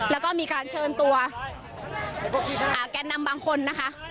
แล้วก็มีการเชิญตัวแกนนำบางคนนะคะ